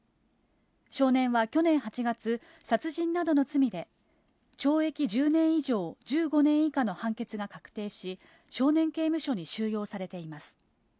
少年は去年８月、殺人などの罪で懲役１０年以上１５年以下の判決が確定し、少年刑務所に収容されています。